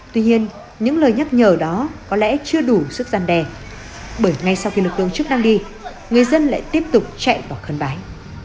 tuy nhiên những lời nhắc nhở đó có lẽ chưa đủ sức gian đe bởi ngay sau khi lực lượng chức năng đi người dân lại tiếp tục chạy vào thân bãi